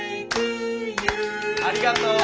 ありがとう！